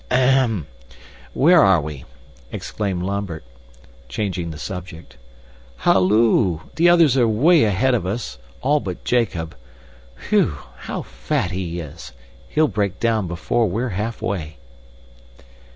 "Ahem! Where are we?" exclaimed Lambert, changing the subject. "Halloo! The others are way ahead of us all but Jacob. Whew! How fat he is! He'll break down before we're halfway."